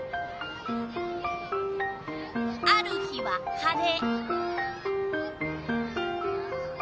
ある日は晴れ。